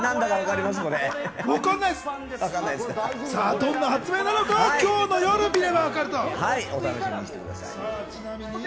どんな発明なのかは今日見ればわかると。